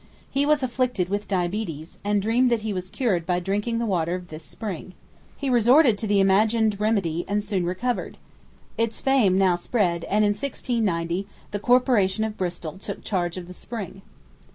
He was afflicted with diabetes, and dreamed that he was cured by drinking the water of this spring. He resorted to the imagined remedy, and soon recovered. Its fame now spread, and, in 1690, the corporation of Bristol took charge of the spring.